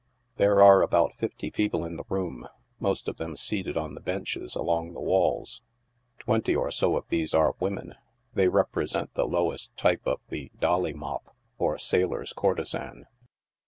Ihere are about fifty people in the room, most of them seated on the benches along the walls. Twenty or so of these are women. They represent the lowest type ot the " dolly mop," or sailor's courtesan.